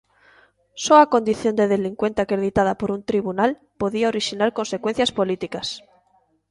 Só a condición de delincuente acreditada por un tribunal podía orixinar consecuencias políticas.